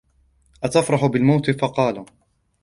أَتَفْرَحُ بِالْمَوْتِ ؟ فَقَالَ